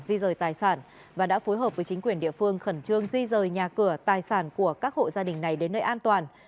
di rời tài sản và đã phối hợp với chính quyền địa phương khẩn trương di rời nhà cửa tài sản của các hộ gia đình này đến nơi an toàn